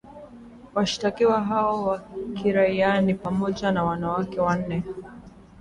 Washtakiwa hao wa kiraia ni pamoja na wanawake wanne.